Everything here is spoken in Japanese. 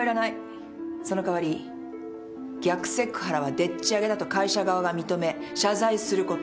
そのかわり逆セクハラはでっち上げだと会社側が認め謝罪すること。